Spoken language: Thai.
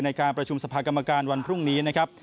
ในการประชุมสภากรรมการวันพรุ่งนี้นะครับ